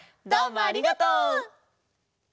どうもありがとう！